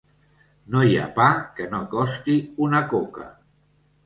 No hi ha pa que no costi una coca.